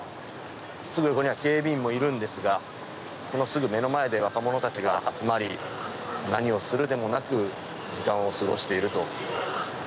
すぐ横には警備員もいるんですが、そのすぐ目の前で若者たちが集まり、何をするでもなく時間を過ごしていると。